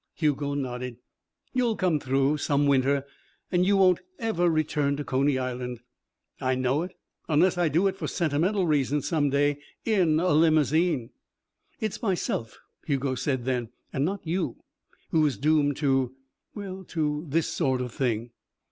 Hugo nodded. "You'll come through some winter and you won't ever return to Coney Island." "I know it. Unless I do it for sentimental reasons some day in a limousine." "It's myself," Hugo said then, "and not you who is doomed to well, to this sort of thing.